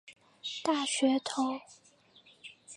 大学头。